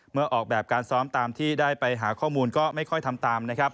เมื่อออกแบบการซ้อมตามที่ได้ไปหาข้อมูลก็ไม่ค่อยทำตาม